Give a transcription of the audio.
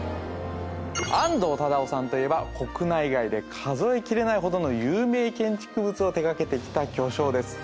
安藤忠雄さんといえば国内外で数え切れないほどの有名建築物を手がけてきた巨匠です